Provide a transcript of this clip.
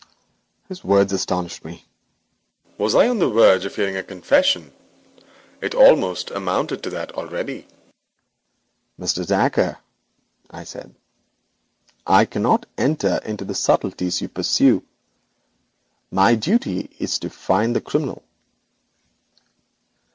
His words astonished me. Was I on the verge of hearing a confession? It almost amounted to that already. 'Mr. Dacre,' I said, 'I cannot enter into the subtleties you pursue. My duty is to find the criminal.'